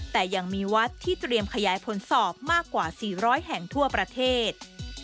แต่ยังมีวัดที่เตรียมขยายผลสอบมากกว่า๔๐๐แห่งทั่วประเทศ